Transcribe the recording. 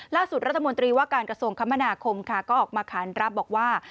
ล่าสุดรัฐมนตรีว่าการกระทรวงคมนาคมค่ะก็ออกมาขานรับบอกว่า